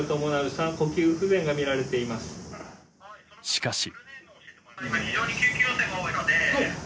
しかし。